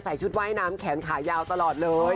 ชุดว่ายน้ำแขนขายาวตลอดเลย